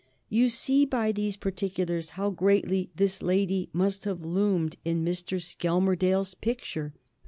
You see by these particulars how greatly this lady must have loomed in Mr. Skelmersdale's picture.